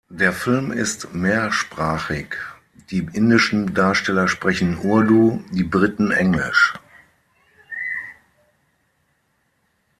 Der Film ist mehrsprachig; die indischen Darsteller sprechen Urdu, die Briten Englisch.